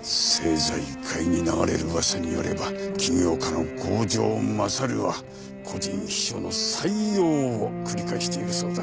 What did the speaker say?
政財界に流れる噂によれば起業家の郷城勝は個人秘書の採用を繰り返しているそうだ。